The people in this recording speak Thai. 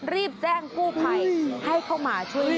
รีบแจ้งกู้ภัยให้เข้ามาช่วยเหลือ